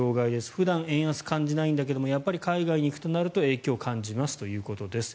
普段円安を感じないんだけどもやっぱり海外に行くと影響を感じますということです。